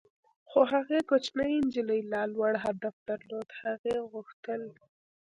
خو هغې کوچنۍ نجلۍ لا لوړ هدف درلود - هغې غوښتل.